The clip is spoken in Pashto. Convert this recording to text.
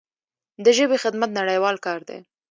د ژبې خدمت نړیوال کار دی.